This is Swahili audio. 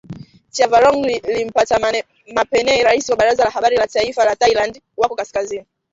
Chavarong Limpattamapanee rais wa Baraza la Habari la Taifa la Thailand wako kaskazini,